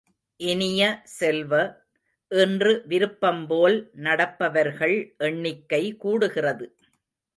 இனிய செல்வ, இன்று விருப்பம்போல் நடப்பவர்கள் எண்ணிக்கை கூடுகிறது.